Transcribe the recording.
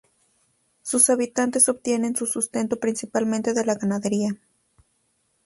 Sus habitantes obtienen su sustento principalmente de la ganadería.